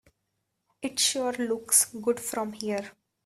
It sure looks good from here.